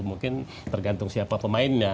mungkin tergantung siapa pemainnya